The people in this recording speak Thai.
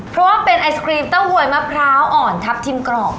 เพราะว่าเป็นไอศครีมเต้าหวยมะพร้าวอ่อนทับทิมกรอบ